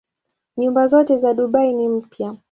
Nyumba zote za Dubai ni mpya.